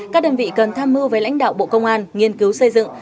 các đơn vị cần tham mưu với lãnh đạo bộ công an nghiên cứu xây dựng